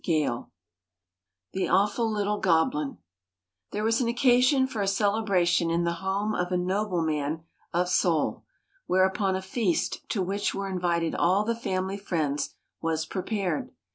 XXXIX THE AWFUL LITTLE GOBLIN There was an occasion for a celebration in the home of a nobleman of Seoul, whereupon a feast, to which were invited all the family friends, was prepared.